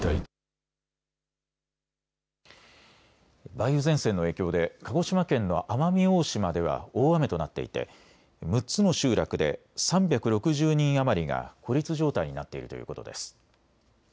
梅雨前線の影響で鹿児島県の奄美大島では大雨となっていて６つの集落で３６０人余りが孤立状態になっているということです。